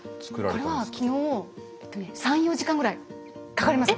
これは昨日３４時間ぐらいかかります